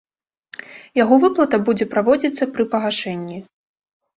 Яго выплата будзе праводзіцца пры пагашэнні.